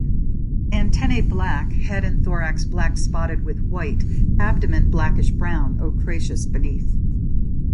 Antennae black; head and thorax black spotted with white; abdomen blackish brown, ochraceous beneath.